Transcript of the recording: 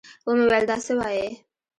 ومې ويل دا څه وايې.